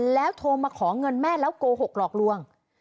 แล้วโทรมาขอเงินแม่แล้วโกหกหลอกลวง